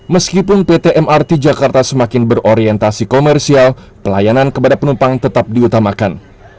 meskipun pt mrt jakarta semakin berorientasi komersial pelayanan kepada penumpang tetap diutamakan